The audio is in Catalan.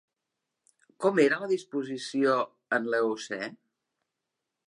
Com era la disposició en l'Eocè?